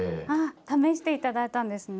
試して頂いたんですね。